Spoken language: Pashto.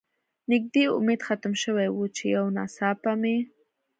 نږدې امید ختم شوی و، چې یو ناڅاپه مې.